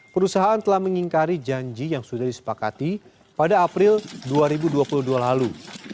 perusahaan telah mengingkari janji yang sudah disepakati pada april dua ribu dua puluh dua lalu